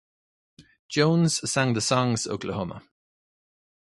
Jones sang the songs Oklahoma!